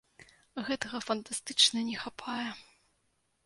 Гэтага фантастычна не хапае.